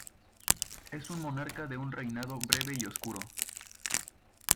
Es un monarca de un reinado breve y oscuro.